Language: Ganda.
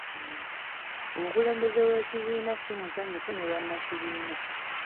Omukulembeze w'ekibiina simusanyufu ne bannakibiina.